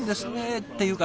っていうか